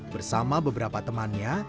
bersama beberapa temannya